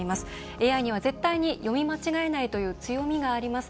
ＡＩには絶対に読み間違えないという強みがあります。